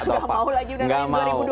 sudah nggak mau lagi